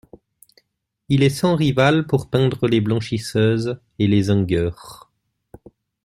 Il est sans rival pour peindre les blanchisseuses et les zingueurs.